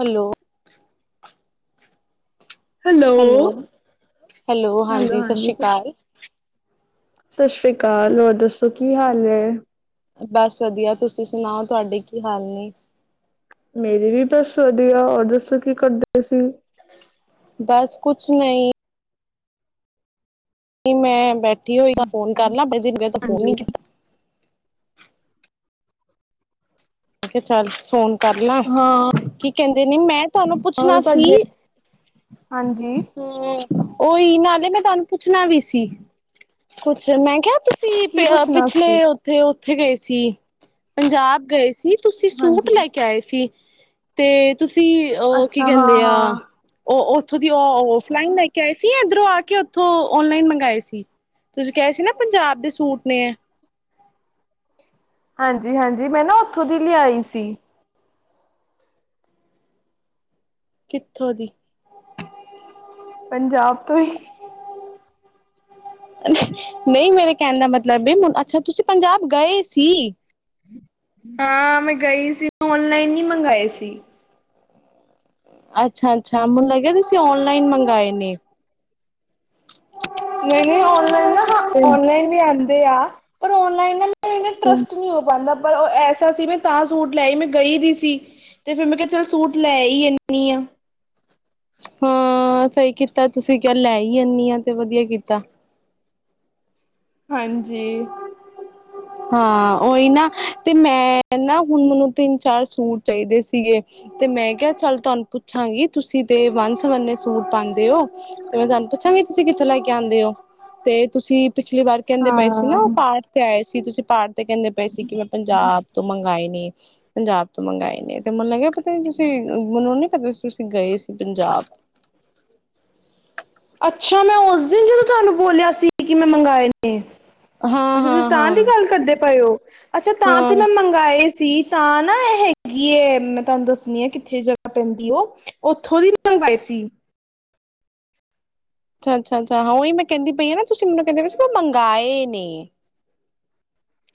Hello hello. Hello, ਸਤਿ ਹਾਂਜੀ ਸ਼੍ਰੀ ਸਸ਼੍ਰੀ ਅਕਾਲ। ਸਸ਼ਰੀ ਕਾਲ। ਹੋਰ ਦੱਸੋ ਕੀ ਹਾਲ ਐ? ਬਸ ਵਦੀਆ। ਤੁਸੀਂ ਸੁਣਾਓ ਤੁਆਡੇ ਕੀ ਹਾਲ ਨੇ? ਮੇਰੇ ਵੀ ਬਸ ਵਦੀਆ, ਔਰ ਦੱਸੋ ਕੀ ਕਰਦੇ ਪਏ ਸੀ? ਬਸ ਕੁਛ ਨਈਂ ਨਈਂ ਮੈਂ ਬੈਠੀ ਹੋਈ ਜਾ, ਫੋਨ ਕਰ ਲਾ, ਬੜੇ ਦਿਨ ਹੋ ਗਏ, ਫੋਨ ਹਾਂਜੀ ਨੀ ਕੀਤਾ। ਮੈ ਕੇਆ ਚੱਲ ਫੋਨ ਕਰ ਲਾਂ, ਹਾਂ ਕੀ ਕਹਿੰਦੇ ਨੇ ਮੈਂ ਤੁਆਨੂੰ ਪੁੱਛਣਾ ਸੀ ਸਾਡੇ ਹਾਂਜੀ ਹੂੰ। ਓਈ ਨਾਲੇ ਮੈਂ ਤੁਆਨੂੰ ਪੁੱਛਣਾ ਵੀ ਸੀ, ਕੁਛ ਮੈਂ ਕਿਹਾ ਤੁਸੀਂ ਸੀ ਕੀ ਪੁੱਛਣਾ ਸੀ ਪਿ-ਪਿਛਲੇ ਓ ਉਥੇ-ਉੱਥੇ ਗਏ ਸੀ, ਪੰਜਾਬ ਗਏ ਸੀ। ਤੁਸੀਂ ਸੂਟ ਹਾਂਜੀ। ਲੈ ਕੇ ਆਏ ਸੀ। ਤੇ ਤੁਸੀਂ ਅ ਕੀ ਅੱਛਾ ਹਾਂ ਕਹਿੰਦੇ ਆ ਹਾਂ ਓ ਉੱਥੋਂ ਦੀ ਔ ਔਫਲਾਈਨ ਲੈ ਕੇ ਆਏ ਸੀ। ਕਿ ਏਧਰੋਂ ਆ ਕੇ ਉੱਥੋਂ ਓਨਲਾਈਨ ਮੰਗਾਏ ਸੀ ਤੁਸੀਂ ਕੇਆ ਸੀ ਨਾ ਪੰਜਾਬ ਦੇ ਸੂਟ ਨੇ ਹਾਂਜੀ-ਹਾਂਜੀ। ਮੈਂ ਨਾ ਉੱਥੋਂ ਦੀ ਲਿਆਈ ਸੀ। ਕਿੱਥੋਂ ਦੀ? ਪੰਜਾਬ ਤੋਂ ਈ [inaudible] ਨ ਨਈਂ ਮੇਰੇ ਕੈਣ ਦਾ ਮਤਲਬ ਏ ਅੱਛਾ ਤੁਸੀਂ ਪੰਜਾਬ ਗਏ ਸੀ? ਹਾਂ ਮੈਂ ਗਈ ਸੀ, ਓਨਲਾਈਨ ਨੀ ਮੰਗਾਏ ਸੀ। ਅੱਛਾ-ਅੱਛਾ, ਮੈਨੂੰ ਲੱਗਿਆ ਤੁਸੀਂ ਓਨਲਾਈਨ ਮੰਗਾਏ ਨੇ। ਨਹੀਂ ਔਨਲਾਈਨ ਨਾ ਹਾਂ ਤੇ ਔਨਲਾਈਨ ਵੀ ਆਂਦੇ ਆ ਪਰ ਓਨਲਾਈਨ ਨਾ ਟਰੱਸਟ ਨੀ ਹੋ ਪਾਂਦਾ ਪਰ ਓ ਏਸ ਸੀ ਮੈਂ ਤਾਂ ਸੂਟ ਲੈ ਆਈ ਮੈਂ ਗਈ ਦੀ ਸੀ ਤੇ ਫੇਰ ਮੈਂ ਕਿਆ ਚੱਲ ਸੂਟ ਲੈ ਈ ਇਨੀ ਆ। ਹਾਂ, ਸਈ ਕੀਤਾ ਤੁਸੀਂ ਕਿਆ ਲੈ ਈ ਆਨੀ ਆ ਤੇ ਵਦੀਆ ਕੀਤਾ। ਹਾਂਜੀ। ਹਾਂ, ਓਈ ਨਾ ਤੇ ਮੈਂ ਨਾ ਹੁਣ ਮੈਨੂੰ ਤਿੰਨ-ਚਾਰ ਸੂਟ ਚਾਈਦੇ ਸੀਗੇ ਤੇ ਮੈਂ ਕਿਆ ਚੱਲ ਤੁਆਨੂੰ ਪੁੱਛਾਂਗੀ ਤੁਸੀਂ ਤੇ ਵੰਨ-ਸੁਵੰਨੇ ਸੂ ਸੂਟ ਪਾਂਦੇ ਓ ਤੇ ਮੈਂ ਤੁਆਨੂੰ ਪੁੱਛਾਂਗੀ ਤੁਸੀਂ ਕਿੱਥੋਂ ਲੈ ਕੇ ਆਂਦੇ ਓ? ਤੇ ਤੁਸੀਂ ਪਿਛਲੀ ਵਾਰ ਕੈਂਦੇ ਪਏ ਸੀ ਨਾ ਓ ਹਾਂ ਪਾਠ ਤੇ ਆਏ ਸੀ ਕੀ ਤੁਸੀਂ ਪਾਠ ਤੇ ਕੇਂਦੇ ਪਏ ਸੀ ਕੀ ਮੈਂ ਪੰਜਾਬ ਤੋਂ ਮੰਗਾਏ ਨੇ ਪੰਜਾਬ ਤੋਂ ਮੰਗਾਏ ਨੇ ਤੇ ਮੈਨੂੰ ਲੱਗਿਆ ਪਤਾ ਨੀ ਤੁਸੀਂ ਮੈਨੂੰ ਨੀ ਪਤਾ ਸੀ ਤੁਸੀਂ ਗਏ ਸੀ ਪੰਜਾਬ। ਅੱਛਾ ਮੈਂ ਓਸ ਦਿਨ ਜਦੋਂ ਤੁਹਾਨੂੰ ਬੋਲਿਆ ਸੀ ਕੀ ਮੈਂ ਮੰਗਾਂਏ ਨੇ। ਹਾਂ ਅੱਛਾ ਤੁਸੀਂ ਹਾਂ ਤਾਂ ਹਾਂ ਦੀ ਗੱਲ ਕਰਦੇ ਪਏ ਓ ਅੱਛਾ ਤਾਂ ਤੇ ਹਾਂ ਮੈਂ ਮੰਗਾਂਏ ਸੀ ਤਾਂ ਨਾ ਏ ਹੈਗੀ ਏ ਮੈਂ ਤੁਹਾਨੂੰ ਦੱਸਣੀ ਆ ਕਿੱਥੇ ਜਾ ਪੈਂਦੀ ਓ ਓਥੋਂ ਦੀ ਮੰਗਾਂਏ ਸੀ। ਅੱਛਾ-ਅੱਛਾ-ਅੱਛਾ ਹਾਂ ਓਈ ਮੈਂ ਕੈਂਦੀ ਪਈ ਆ ਨਾ ਤੁਸੀਂ ਮੈਨੂੰ ਕੈਂਦੇ ਪਏ ਮੰਗਾਂਏ ਨੇ।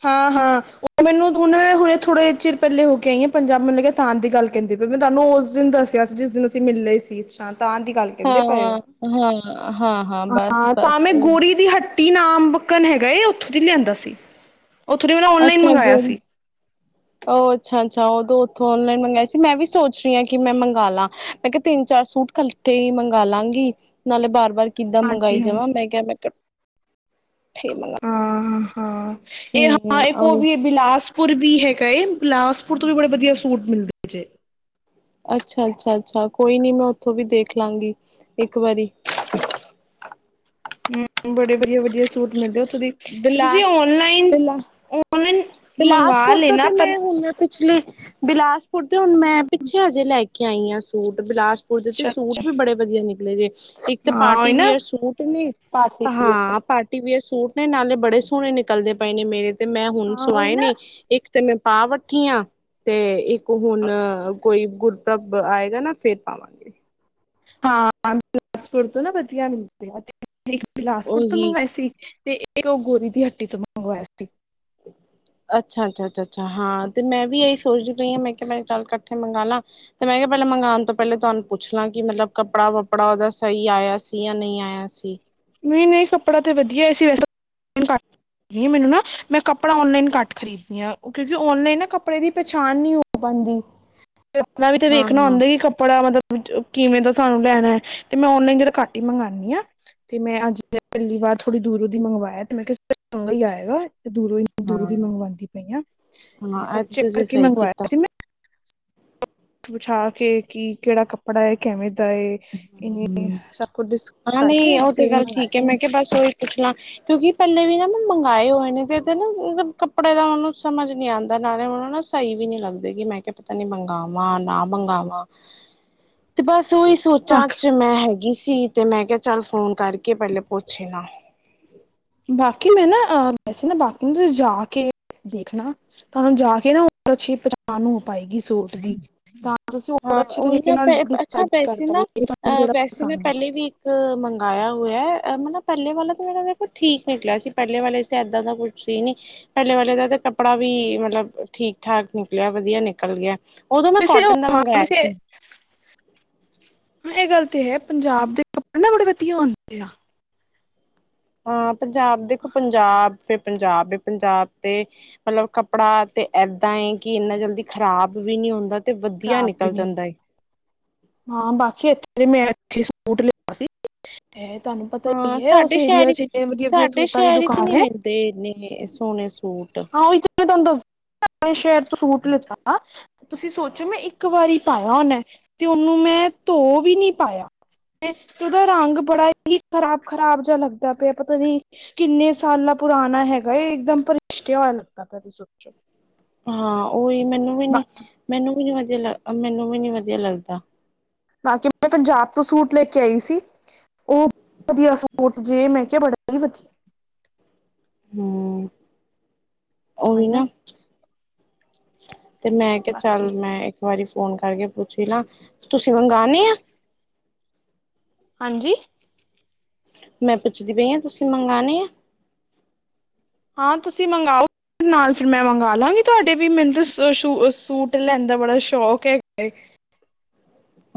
ਹਾਂ-ਹਾਂ ਮੈਨੂੰ ਹੁਨ ਹੁੰਨੇ ਹੁਣੇ ਥੋੜੇ ਚਿਰ ਪੈਲੇ ਹੋ ਕੇ ਆਈ ਆ ਪੰਜਾਬ ਮੈਨੂੰ ਲਗਿਆ ਤਾਂਨ ਦੀ ਗੱਲ ਕੈਂਦੀ ਪਈ ਮੈਂ ਤੁਹਾਨੂੰ ਉਸ ਦਿਨ ਦੱਸਿਆ ਸੀ ਜਿਸ ਦਿਨ ਅਸੀਂ ਮਿਲਲੇ ਸੀ ਤਾਂ ਦੀ ਗੱਲ ਕੈਂਦੇ ਪਏ ਓ ਹਾਂ, ਹਾਂ, ਹਾਂ, ਬਸ ਹਾਂ ਤਾਂ ਬਸ ਮੈਂ ਉਹ ਗੋਰੀ ਦੀ ਹ ਟੀ ਨਾਮ ਬੱਕਣ ਹੈਗਾ ਉੱਥੋਂ ਦੀ ਲਿਆਂਦਾ ਸੀ। ਉੱਥੋਂ ਦੀ ਮੈਂ ਔਨਲਾਈਨ ਅੱਛਾ ਮੰਗਾਇਆ ਗੋਰੀ। ਸੀ। ਓ ਅੱਛਾ-ਅੱਛਾ ਉਦੋਂ ਉੱਥੋਂ ਓਨਲਾਈਨ ਮੰਗਾਂਏ ਸੀ ਮੈਂ ਵੀ ਸੋਚ ਰਈ ਆ ਕੀ ਮੈਂ ਮੰਗਾਂਲਾ ਮੈਂ ਕਿਆ ਤਿੰਨ ਚਾਰ ਸੂਟ ਖ ਤੇ ਈ ਮੰਗਾਂਗੀ ਨਾਲੇ ਬਾਰ-ਬਾਰ ਕਿੱਦਾਂ ਮੰਗਾਂਈ ਜਾਵਾਂ ਹਾਂਜੀ-ਹਾਂਜੀ। ਮੈਂ ਕਿਆ ਮੈਂ ਕਿਆ ਹਾਂ-ਹਾਂ ਏ ਹਾਂ ਏ ਕੋ ਉਹੀ ਵੀ ਬਿਲਾਸ ਪੁਰ ਵੀ ਹੈਗਾ ਏ ਬਿਲਾਸਪੁਰ ਤੋਂ ਵੀ ਬੜੇ ਵਧੀਆ ਸੂਟ ਮਿਲਦੇ ਜੇ। ਅੱਛਾ-ਅੱਛਾ-ਅੱਛਾ ਕੋਈ ਨੀ ਮੈਂ ਉੱਥੋਂ ਵੀ ਦੇਖ ਲਾਂਗੀ ਇੱਕ ਵਾਰੀ। ਹੂੰ ਬੜੇ ਵਧੀਆ-ਵਧੀਆ ਸੂਟ ਮਿਲਦੇ ਓ ਬਿਲਾ ਤੁਸੀਂ ਓਨਲਾਈਨ ਬਿਲਾ ਓਨਲਾਈਨ ਮੰਗਾਂ ਬਿਲਾਸਪੁਰ ਲੇ ਤੋਂ ਨਾ ਤੇ ਪਰ ਮੈਂ ਹੁਣ ਪਿਛਲੇ ਬਿਲਾਸਪੁਰ ਦੇ ਹੁਣ ਮੈਂ ਪਿੱਛੇ ਹਜੇ ਲੈ ਕੇ ਆਈ ਆ ਸੂਟ ਬਿਲਾਸ ਓਦੇ ਤੇ ਅੱਛਾ-ਅੱਛਾ ਸੂਟ ਵੀ ਬੜੇ ਵਧੀਆ ਨਿਕਲੇ ਜੇ। ਇੱਕ ਤਾਂ ਹਾਂ ਉਹੀ ਨਾ ਪਾਰਟੀਵਅਰ ਸੂਟ ਨੇ ਪਾਰਟੀ ਹਾਂ ਪਾਰਟੀਵਅਰ ਸੂਟ ਨਈ ਨਾਲੇ ਬੜੇ ਸੋਣੇ ਨਿਕਲਦੇ ਪਏ ਨੇ ਮੇਰੇ ਤੇ ਮੈਂ ਹੁਣ ਹਾਂ ਉਹੀ ਸੁਵਾਏ ਨਾ ਨੇ ਇੱਕ ਤੇ ਮੈਂ ਪਾ ਵੱਠੀ ਆ ਤੇ ਇੱਕ ਹੁਣ ਕੋਈ ਗੁਰ ਪਰਬ ਆਏਗਾ ਨਾ ਫੇਰ ਪਾਵਾਂਗੇ। ਹਾਂ ਬਿਲਾਸਪੁਰ ਤੋਂ ਨਾ ਵਧੀਆ ਮ [unintelligible] ਇੱਕ ਬਿਲਾਸਪੁਰ ਤੋਂ ਉਹੀ ਮੰਗਾਂਏ ਸੀ ਤੇ ਤੇ ਓ ਗੋਰੀ ਦੀ ਹੱਟੀ ਤੋਂ ਮੰਗਵਾਇਆ ਸੀ। [inaudible] ਅੱਛਾ-ਅੱਛਾ-ਅੱਛਾ-ਅੱਛਾ ਹਾਂ ਤੇ ਮੈਂ ਵੀ ਏਈ ਸੋਚਦੀ ਪਈ ਆ ਮੈਂ ਕਿਆ ਮੈਂ ਚੱਲ ਕੱਠੇ ਮੰਗਾਂਲਾ। ਤੇ ਮੈਂ ਕਿਆ ਪੈਲਾਂ ਮੰਗਾਂਣ ਤੋਂ ਪੈਲੇ ਤੁਹਾਨੂੰ ਪੁੱਛ ਲਾਂ ਕੀ ਮਤਲਬ ਕੱਪੜਾ ਵੱਪੜਾ ਓਦਾ ਸਈ ਆਇਆ ਸੀ ਜਾਂ ਨੀ ਆਇਆ ਸੀ। ਨਈ-ਨਈ ਕੱਪੜਾ ਤੇ ਵਧੀਆ ਆਇਆ ਸੀ ਵੈਸੇ [unintelligible] ਮੈਨੂੰ ਨਾ ਮੈਂ ਕੱਪੜਾ ਔਨਲਾਈਨ ਘੱਟ ਖ਼ਰੀਦਣੀ ਕਿਉਂਕੀ ਔਨਲਾਈਨ ਨਾ ਕੱਪੜੇ ਦੀ ਪਛਾਣ ਨੀ ਹੋ ਪਾਂਦੀ। ਤੇ ਆਪਣਾ ਵੀ ਤੇ ਹਾਂ ਵੇਖਣਾ ਹਾਂ ਹੁੰਦੈ ਕੀ ਕੱਪੜਾ ਮਤਲਬ ਕਿਵੇਂ ਦਾ ਥੋਂਨੂੰ ਲੈਣਾ ਤੇ ਮੈਂ ਔਨਲਾਈਨ ਜਰਾ ਘਟ ਈ ਮੰਗਾਂਣੀ ਆ। ਤੇ ਮੈਂ ਅੱਜ ਪੈਲੀ ਵਾਰ ਥੋੜ੍ਹੀ ਦੂਰੋਂ ਦੀ ਮੰਗਵਾਇਆ ਤੇ ਮੈਂ ਕਿਆ ਚੰਗਾ ਈ ਆਏਗਾ। ਦੂਰੋਂ ਈ ਦੂਰੋਂ ਹਾਂ ਦੀ ਮੰਵਾਂਦੀ ਪਈ ਆਂ ਤੇ ਹਾਂ, ਸਭ ਇਹ ਚੈੱਕ ਤੁਸੀਂ ਕਰਕੇ ਸਹੀ ਮੰਗਵਾਇਆ ਕੀਤਾ ਸੀ ਮੈਂ। [unintelligible] ਵਿਛਾ ਕੇ ਕੀ ਕੇੜਾ ਕੱਪੜਾ ਏ ਕੈਵੇਂ ਦਾ ਏ। ਇੰਨੀ ਹਮ ਸਭ ਕੁਛ ਡਿਸ ਹਾਂ ਕਰਕੇ ਨਹੀਂ ਉਹ ਤੇ ਫੇਰ ਹੀ ਗੱਲ ਠੀਕ ਐ ਮੰਗਵਾਇਆ ਮੈਂ ਕਿਆ ਬਸ ਓਈ ਪੁੱਛ ਲਾਂ। ਕਿਉਂਕੀ ਪੈਲੇ ਵੀ ਨਾ ਮੈਂ ਮੰਗਾਂਏ ਹੋਏ ਨੇ ਤੇ ਨਾ ਮਤਲਬ ਕੱਪੜੇ ਦਾ ਮੈਂਨੂੰ ਸਮਝ ਨੀ ਆਂਦਾ ਨਾਲੇ [unintelligible] [unintelligible] ਵੀ ਨੀ ਲੱਗਦੇ ਕੀ ਮੈਂ ਕਿਆ ਪਤਾ ਨੀ ਮੰਗਾਵਾਂ ਨਾ ਮੰਗਾਵਾਂ ਤੇ ਬਸ ਓਈ ਸੀ ਸੋਚਾਂ ਚ ਮੈਂ ਹੈ ਹੈਗੀ ਸੀ ਤੇ ਮੈਂ ਕਿਆ ਚੱਲ ਫੋਨ ਕਰਕੇ ਪੈਲੇ ਪੁੱਛੇ ਲਾਂ। ਬਾਕੀ ਮੈਂ ਨਾ, ਅ ਵੈਸੇ ਨਾ ਬਾਕੀ [unintelligible] ਤੁਸੀਂ ਜਾ ਕੇ, ਦੇਖਣਾ ਤਾਂ ਜਾ ਕੇ ਨਾ ਓ ਪਛੀ ਪਚਾਣ ਹੋ ਪਏਗੀ ਸੂਟ ਦੀ ਤਾਂ ਤੁਸੀਂ ਹੋਰ ਹਾਂ ਅੱਛੇ ਉਹੀ ਤਰੀਕੇ ਨਾ ਪੈ ਨਾਲ ਅੱਛਾ ਡਿਸਾਇਡ ਕੱਰ ਵੈਸੇ ਪਾਵੋ ਤਵਾਨੂੰ ਕੇੜਾ ਪਸੰਦ ੲੈ। ਸ, ਮਗਾਐ ਹੋੲੈ, ਮਲਬ ਪੈਲੇ ਵਾਲਾ ਤੇ [unintelligible] ਦੇਖੋ ਠੀਕ ਨਿਕਲੇਆ ਸੀ ਪੈਲੇ ਵਾਲਾ [unintelligible] ਇਏਦਾਂ ਦਾ ਕੁ ਸੀ ਨੀ ਪੈਲੇ ਵਾਲਲੇ ਦਾ ਤੇ ਕੱਪੜਾ ਵੀ ਮਤਲਬ ਠੀਕ-ਠਾਕ ਨਿਕਲੇਆ ਵਧੀਆ ਨਿਕਲ ਗੇਆ ਓਦੋ ਨਾ ਕੋਟਨ ਦਾ ਮਗ ਅਮ ਸੇ ਹ ਏ ਗਲ ਤੇ ਹੈ ਪੰਜਾਬ ਦੇ ਕੱਪੜੇ ਨਾ ਬੜੇ ਵਧੀਆ ਅੋਦੇ ਆ ਆ ਪੰਜਾਬ ਦੇਖੋ ਪੰਜਾਬ ਫੇਰ ਪੰਜਾਬੀ ਪੰਜਾਬ ਤੇ, ਮਤਲੱਬ ਕੱਪੜਾ ਤੇ ਐਦਾ ਏ ਕਿ ਅਨਾ ਜਲਦੀ ਖ਼ਰਾਬ ਵੀ ਨੀ ਹੁੰਦਾ ਤੇ ਵਧੀਆ ਖਰਾਬ ਵੀ ਨਿਕਲ ਨੀ ਹੁੰਦੀ, ਜਾਂਦਾ ਹੈ ਹਾ ਬਾਕੀ ਏਥੇ ਮੈਂ ਏਥੇ ਸੂਟ ਲਿਤਾ ਸੀ ਇਹ ਤੁਹਾਨੂੰ [inaudible] ਪਤਾ ਹਾਂ ਹੀ ਹੈ ਸਾਡੇ ਉਸ ਏਰੀਆ ਸ਼ੈਰ, ਚ ਵਧੀਆ ਵਧੀਆ ਸਾਡੇ ਸੂਟਾਂ ਦੀ ਸ਼ੈਰ ਚ ਦੁਕਾਨ ਨੀ ਹੈ ਮਿਲਦੇ ਏੰਨੇ ਸੋਣੇ ਸੁ ਸੂਟ [unintelligible] ਤਾਨੂੰ ਦੱਸ [unintelligible] ਪਣੇ ਸ਼ੈਰ ਤੋਂ ਸੂਟ ਲਿੱਤਾ, ਤੁਸੀ ਸੋ ਚ, ਮੈ ਏਕ ਵਾਰੀ ਪਾਆ ਓਨੈ, ਤੇ ਓਨੂੰ ਮੈਂ ਧੋ ਵੀ ਨੀ ਪਾਆ ਤੇ ਓਦਾ ਰੰਗ ਬੜਾ ਹੀ ਖਰਾਬ-ਖਰਾਬ ਜੇਆ ਲੱਗਦਾ ਪੇਆ ਪਤਾ ਨੀ ਕਿੰਨੇ ਸਾਲਾ ਪਰਾਣਾ ਹੈਗਾ ਏ, ਏਕਦਮ ਪ੍ਰਸ਼ਟੇਆ ਹੋਇਆ ਲੱਗਾ ਪੇਆ ਦਸੋ ਹਾਂ, ਓਈ ਮੈਨੂੰ ਵੀ ਨੀ, ਬਾਕੀ ਮੈਨੂੰ ਵੀ ਨੀ ਵਦੀਆ ਲ, ਮੈਨੂੰ ਵੀ ਨੀ ਵਦੀਆ ਲੱਗਦਾ ਨਾ ਕਿ ਮੈ ਪੰਜਾਬ ਤੋਂ ਸੂਟ ਲੈ ਕੇ ਆਈ ਸੀ। ਓ ਵਦੀਆ ਸੂਟ ਜੇ ਮੈਂ ਕੇਆ ਬੜਾ ਈ ਵਦੀ ਹੂੰ, ਓ ਵੀ ਨਾ ਤੇ ਮੈਂ ਕੇਆ ਬਾਕੀ ਚੱਲ ਮੈ ਏ ਕ ਵਾਰੀ ਫੋਨ ਕਾਰਕੇ ਪੁੱਛ ਲਾ, ਤੁਸੀਂ ਮੰਗਾਣੇ ਆ ਹਾਂਜੀ। ਮੈਂ ਪੁੱਛਦੀ ਪਈ ਆ ਤੁਸੀਂ ਮੰਗਾਣੇ ਐ ਆ ਤੁਸੀਂ ਮੰਗਾਓ ਨਾਲ ਫਿਰ ਮੈਂ ਮੰਗਾ ਲਾਗੀ ਤਵਾਡੇ ਵੀ ਮੈਨੂੰ ਸ ਸੁ ਸੂਟ ਲੈਣ ਦਾ ਬੜਾ ਸ਼ੌਕ ਹੈਗਾ ਏ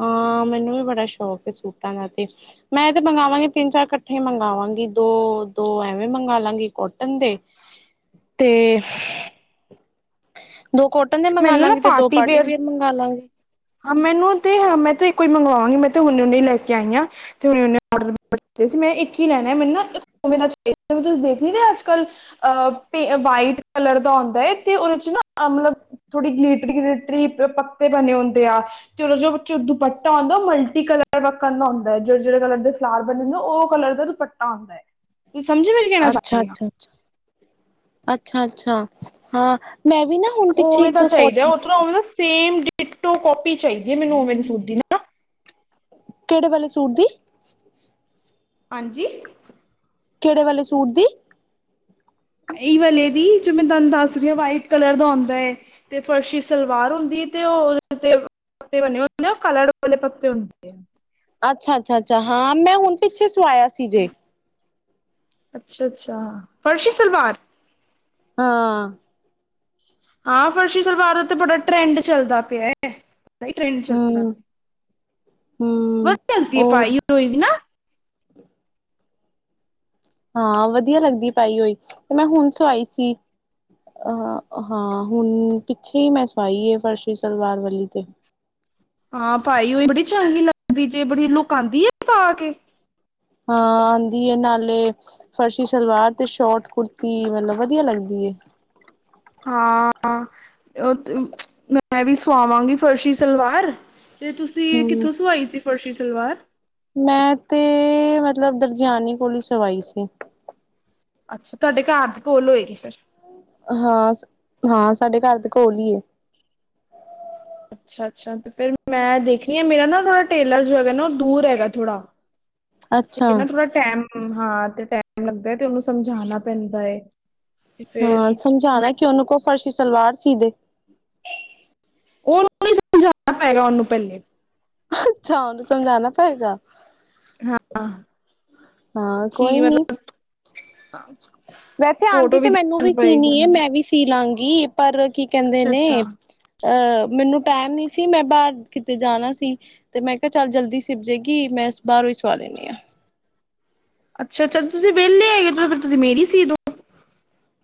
ਹਾਂ, ਮੈਨੂੰ ਵੀ ਬੜਾ ਸ਼ੌਕ ਐ ਸੂਟਾ ਦਾ ਤੇ ਮੈਂ ਤੇ ਮੰਗਵਾਂਗੀ ਤਿੰਨ-ਚਾਰ ਕਠੇ ਮੰਗਵਾਂਗੀ ਦੋ-ਦੋ ਐਵੇਂ ਮੰਗਾ ਲਾਗੀ ਕੋਟਨ ਦੇ ਤੇਂ। ਦੋ ਕੋਟਨ ਦੇ ਮੰਗਾ ਮੈਨੂੰ ਨਾ ਲਾਗੀ ਤੇ ਦੋ ਪਾਰਟੀ ਵੇਅਰ ਵਿਅਰ ਮੰਗਾ ਲਾਂਗੀ ਹਾਂ, ਮੈਨੂੰ ਤੇ ਹ ਮੈਂ ਤੇ ਇੱਕੋ ਈ ਮੰਗਵਾਂਗੀ ਮੈਂ ਤੇ ਹੁਨੇ-ਹੁਨੇ ਈ ਲੈ ਕੇ ਆਈ ਆ ਤੇ [unintelligible] ਮੈਂ ਏਕ ਈ ਲੈਣਾ ਮੈਨੂੰ ਨਾ ਇਕ [unintelligible] ਅੱਜ-ਕੱਲ ਅ, ਪੇ ਵਾਈਟ ਕਲਰ ਦਾ ਹੁੰਦਾ ਏ, ਤੇ ਓਦੇ ਚ ਨਾ ਮਲਬ ਥੋੜੀ ਗਿਲੀਟਰੀ-ਗਿਲੀਟਰੀ ਪ, ਪੱਤੇ ਬਣੇ ਹੁੰਦੇ ਆ [unintelligible] ਦੁਪਟਾ ਅੋਦਾ ਓ ਮਲਟੀ ਕਲਰ ਵਰਣ ਦਾ ਹੋਦਾ ਏ ਜੇੜੇ-ਜੇੜੇ ਕਲਰ ਦੇ ਫਲਾਵਰ ਬਣੇ ਹੁੰਦੇ ਓ ਕਲਰ ਦ, ਪਟਾ ਓਦੈ ਕਿ ਸਮਝੇ ਮੇਰੀ ਅੱਛਾ, ਅੱਛਾ, ਅੱਛਾ, ਅੱਛਾ, ਅੱਛਾ ਹਾਂ ਮੈਂ ਵੀ ਨਾ ਹੁਣ ਪਿੱਛੇ ਇੱਕ ਕੋਟਨ ਥੋੜਾ ਓਵੇ, ਸੇਮ ਡਿਟੋ ਕੋਪੀ ਚਾਇਦੀ ਐ ਮੈਨੂੰ ਓਵੇ ਦੇ ਸੂਟ ਦੀ ਨਾ ਕੇੜੇ ਵਾਲੇ ਸੂਟ ਦੀ [inaudible] ਹਾਂਜੀ। ਕਿਹੜੇ ਵਾਲੇ ਸੂਟ ਦੀ ਇਹੀ ਵਾਲੇ ਦੀ ਜੋ ਮੈਂ ਤੁਹਾਨੂੰ ਦੱਸ ਵਾਈਟ ਕਲਰ ਦਾ ਆਉਂਦਾ ਐ ਤੇ ਫਰਸ਼ੀ ਸਲਵਾਰ ਹੁੰਦੀ ਤੇ ਓਹ ਤੇ ਪੱਤੇ ਬਣੇ ਹੁੰਦੇ ਓਹ ਕਲਰ ਵਾਲੇ ਪੱਤੇ ਹੁੰਦੇ ਹਨ ਅੱਛਾ-ਅੱਛਾ-ਅੱਛਾ ਹਾਂ ਮੈਂ ਹੁਣ ਪਿੱਛੇ ਸਵਾਇਆ ਸੀ ਜੇ ਅੱਛਾ-ਅੱਛਾ। ਫਰਸ਼ੀ ਸਲਵਾਰ? ਹਾਂ। ਆ ਫਰਸ਼ੀ ਸਲਵਾਰ ਦਾ ਤੇ ਬੜਾ ਟਰੈਂਡ ਚੱਲਦਾ ਪਿਆ ਐ, ਬਾਈ ਟਰੈਂਡ ਚੱਲਦਾ ਹਮ ਪਿਆ। ਹਮ [unintelligible] ਉਹ ਪਾਈ ਹੋਈ ਵੀ ਨਾ ਹਾ ਵਦੀਆ ਲੱਗਦੀ ਪਾਈ ਹੋਈ, ਤੇ ਮੈਂ ਹੁਣ ਸਵਾਈ ਸੀ। ਅਹ ਹਾਂ ਹੁਣ ਪਿੱਛੇ ਈ ਮੈਂ ਸਵਾਈ ਐ ਫਰਸ਼ੀ ਸਲਵਾਰ ਵਾਲੀ ਤੇ ਆ ਪਾਈ ਹੋਈ ਬੜੀ ਚੰਗੀ ਲੱਗਦੀ ਜੇ ਬੜੀ ਲੁਕ ਆਂਦੀ ਆ ਪਾ ਕੇ ਹਾ ਆਂਦੀ ਨਾਲੇ ਫਰਸ਼ੀ ਸਲਵਾਰ ਤੇ ਸ਼ੋਟ ਕੁੜਤੀ ਮਤਲਬ ਵਧੀਆ ਲੱਗਦੀ ਏ। ਹਾਂ ਉਹ ਤੇ ਮੈਂ ਵੀ ਸਵਾਵਾਂਗੀ ਫਰਸ਼ੀ ਸਲਵਾਰ। ਤੇ ਤੁਸੀਂ ਹਮ ਕਿੱਥੋਂ ਸਵਾਈ ਸੀ ਫਰਸ਼ੀ ਸਲਵਾਰ? ਮੈਂ ਤੇ ਮਤਲਬ ਦਰਜਿਆਨੀ ਕੋਲ ਹੀ ਸਵਾਈ ਸੀ। ਅੱਛਾ ਤੁਹਾਡੇ ਘਰ ਦੇ ਕੋਲ ਹੋਏਗੀ ਫਿਰ? ਹਾਂ- ਹਾਂ ਸਾਡੇ ਘਰ ਦੇ ਕੋਲ ਈ ਏ। ਅੱਛਾ ਅੱਛਾ ਤੇ ਫਿਰ ਮੈਂ ਦੇਖਣੀ ਆ ਮੇਰਾ ਨਾ ਥੋੜਾ ਟੇਲਰ ਜੋ ਹੈਗਾ ਨਾ ਉਹ ਦੂਰ ਹੈਗਾ ਥੋੜ੍ਹਾ। ਤੇ ਨਾ ਅੱਛਾ ਥੋੜਾ ਟੈਮ ਹਾਂ ਤੇ ਟੈਮ ਲੱਗਦਾ ਐ ਤੇ ਉਹਨੂੰ ਸਮਝਾਣਾ ਪੈਂਦਾ ਐ। ਹੂੰ ਸਮਝਾਣਾ ਕਿ ਉਹਨੂੰ ਕੋ ਫਰਸ਼ੀ ਸਲਵਾਰ ਸੀ ਦੇ ਉਹਨੂੰ ਨਈ ਸਮਝਾਣਾ ਪਏਗਾ ਉਹਨੂੰ ਪਹਿਲੇ। ਅੱਛਾ ਉਹਨੂੰ ਸਮਝਾਣਾ ਪੇਗਾ। ਹਾਂ ਹਾਂ ਕੀ ਕੋਈ ਨੀ। ਮਤਲਬ ਵੈਸੇ ਆਦੀ ਫੋਟੋ ਤੇ ਮੈਨੂੰ ਦਿਖਾਣੀ ਵੀ ਪਏਗੀ ਸੀਨੀ ਉਹਨੂੰ ਮੈਂ ਵੀ ਸੀਲਾਗੀ ਪਰ ਓ ਕੀ ਕਹਿੰਦੇ ਅੱਛਾ ਨੇ ਅੱਛਾ ਅਹ ਮੈਨੂੰ ਟਾਈਮ ਨੀ ਸੀ ਮੈਂ ਬਾਹਰ ਕਿਤੇ ਜਾਣਾ ਸੀ। ਤੇ ਮੈਂ ਕਿਹਾ ਚੱਲ ਜਲਦੀ ਸਿਲਜੇਗੀ ਮੈਂ ਬਾਹਰੋਂ ਈ ਸਵਾ ਲੈਂਦੀ ਆ। ਅੱਛਾ ਅੱਛਾ, ਤੁਸੀ ਵੇਲੇ ਹੈਗੇ ਤੁਸੀ ਮੇਰੀ ਸੀਦੋਂ?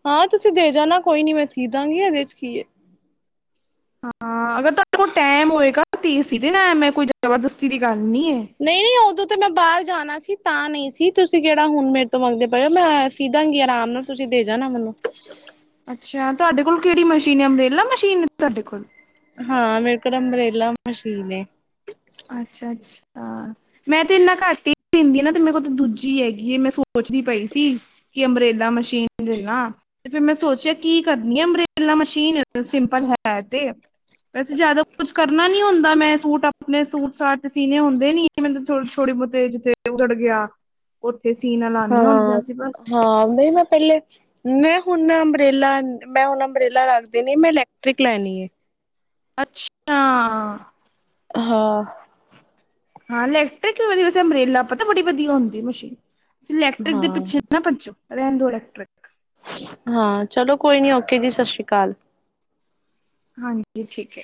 ਹਾਂ ਤੁਸੀਂ ਦੇ ਜਾਣਾ ਕੋਈ ਨੀ ਮੈਂ ਸੀਦਾਂਗੀ ਇਹਦੇ ਚ ਕੀ ਏ। ਹਾਂ ਅਗਰ ਤੁਹਾਡੇ ਕੋਲ ਟਾਈਮ ਹੋਏਗਾ ਤੇ ਸੀ ਦੇਣਾ ਆ ਮੈ ਕੋਈ ਜਬਰਦਸਤੀ ਦੀ ਗੱਲ ਨੀ ਐ। ਨਈ-ਨਈ ਉਦੋਂ ਤੇ ਮੈਂ ਬਾਹਰ ਜਾਣਾ ਸੀ ਤਾਂ ਨੀ ਸੀ ਤੁਸੀਂ ਕਿਹੜਾ ਹੁਣ ਮੇਰੇ ਤੋਂ ਮੰਗਦੇ ਪਏ ਹੋ ਮੈਂ ਸਿਦਾਗੀ ਆਰਾਮ ਨਾਲ ਤੁਸੀਂ ਦੇ ਜਾਣਾ ਮੈਨੂੰ। ਅੱਛਾ ਤੁਹਾਡੇ ਕੋਲ ਕਿਹੜੀ ਮਸ਼ੀਨ ਹੈ ਅੰਬਰੇਲਾ ਮਸ਼ੀਨ ਤੁਹਾਡੇ ਕੋਲ? ਹਾਂ ਮੇਰੇ ਕੋਲ ਅੰਬਰੇਲਾ ਮਸ਼ੀਨ ਏ। ਅੱਛਾ ਅੱਛਾ। ਅਅ ਮੈਂ ਤੇ ਇਨਾ ਘੱਟ ਹੀ ਸਿਨਦੀ ਆ ਨਾ ਤੇ ਮੇਰੇ ਕੋਲ ਤਾਂ ਦੂਜੀ ਹੈਗੀ ਹੈ ਮੈਂ ਸੋਚਦੀ ਪਈ ਸੀ। ਕਿ ਅੰਮਰੇਲਾ ਮਸ਼ੀਨ ਲੈਲਾ ਤੇ ਫੇਰ ਮੈ ਸੋਚਿਆ ਕੀ ਕਰਨੀ ਆ ਅੰਮਰੇਲਾ ਮਸ਼ੀਨ ਸਿੰਪਲ ਹੈ ਤੇ, ਵੈਸੇ ਜਿਆਦਾ ਕੁੱਛ ਕਰਨਾ ਨੀ ਹੁੰਦਾ ਮੈ ਸੂਟ ਆ ਆਪਣੇ ਸੂਟ-ਸਾਟ ਚ ਸੀਨੇ ਹੁੰਦੇ ਨੀ ਮੈਨੂੰ ਛੋੜੇ ਬਹੁਤੇ ਜਿੱਥੇ ਉਧੜ ਗਿਆ ਉਤੇ ਸੀਨਾ ਲਾਨੀਆਂ ਹੁੰਦੀਆਂ ਸੀ ਬਸ। ਹਾ ਨੀ ਮੈਂ ਪਹਿਲੇ, ਮੈਂ ਹੁਣ ਅੰਬਰੇਲਾ ਮੈਂ ਹੁਣ ਅੰਬਰੇਲਾ ਰੱਖ ਦੀ ਨੇ ਮੈਂ ਇਲੈਕਟ੍ਰਿਕ ਲੈਣੀ ਏ। ਅੱਛ! ਹਾਂ। ਹਾਂ ਇਲੈਕਟ੍ਰਿਕ ਵਾਲੀ ਵੈੇਸੇ ਅੰਬਰੇਲਾ ਪਤਾ ਬੜੀ ਵਧੀਆ ਹੁੰਦੀ ਏ ਮਸ਼ੀਨ ਤੁਸੀ ਇਲੈਕਟ੍ਰਿਕ ਦੇ ਹਾਂ, ਪਿੱਛੇ ਨਾ ਪੱਜੋ ਰੈਨ ਦੋ ਇਲੈਕਟ੍ਰਿਕ ਹਾਂ ਚਲੋ ਕੋਈ ਨੀ ਓਕੇ ਜੀ ਸਾਸ ਸ਼੍ਰੀ ਕਾਲ ਹਾਂਜੀ ਠੀਕ ਐ